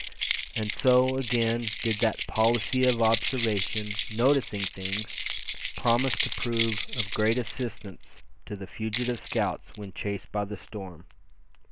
And so, again did that policy of observation, "noticing things" promise to prove of great assistance to the fugitive scouts when chased by the storm.